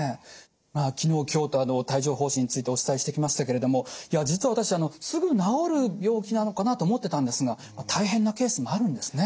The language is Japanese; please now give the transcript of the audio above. まあ昨日今日と帯状ほう疹についてお伝えしてきましたけれども実は私すぐ治る病気なのかなと思ってたんですが大変なケースもあるんですね。